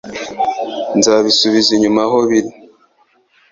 Nzabisubiza inyuma aho biri.